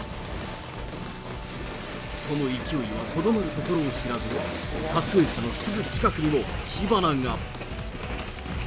その勢いはとどまるところを知らず、撮影者のすぐ近くにも火花が。